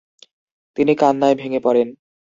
তিনি কান্নায় ভেঙে পড়েন।